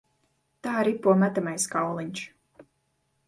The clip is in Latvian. Tā ripo metamais kauliņš.